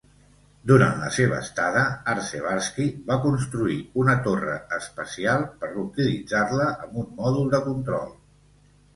Durant la seva estada, Artsebarsky va construir una torre espacial per utilitzar-la amb un mòdul de control.